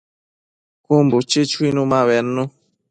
Cun buchi chuinu ma bednu